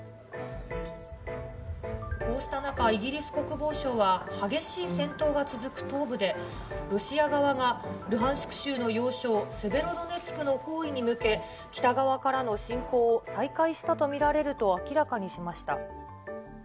こうした中、イギリス国防省は、激しい戦闘が続く東部で、ロシア側がルハンシク州の要衝セベロドネツクの包囲に向け、北側からの侵攻を再開したと見られると明らかにしました。